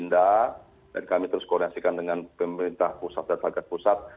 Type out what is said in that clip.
dan kami terus koneksikan dengan pemerintah pusat dan pagat pusat